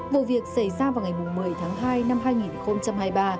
vụ việc xảy ra vào ngày một mươi tháng hai năm hai nghìn hai mươi ba